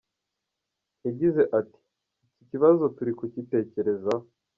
Yagize ati “Iki kibazo turi kugitekerezaho.